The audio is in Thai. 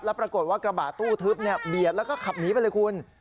แล้วปรากฏว่ากระบะตู้ทึบเบียดแล้วก็ขับหนีไปเลยคุณ